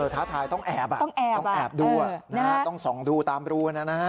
ท้าทายต้องแอบต้องแอบดูต้องส่องดูตามรูนะฮะ